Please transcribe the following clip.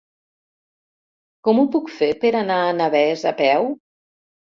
Com ho puc fer per anar a Navès a peu?